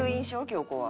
京子は。